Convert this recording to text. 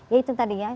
ya itu tadi ya